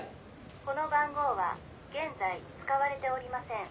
「この番号は現在使われておりません」